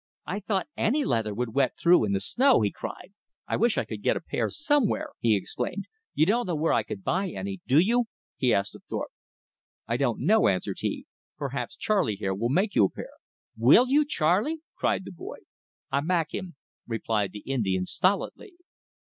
"I thought ANY leather would wet through in the snow!" he cried. "I wish I could get a pair somewhere!" he exclaimed. "You don't know where I could buy any, do you?" he asked of Thorpe. "I don't know," answered he, "perhaps Charley here will make you a pair." "WILL you, Charley?" cried the boy. "I mak' him," replied the Indian stolidly.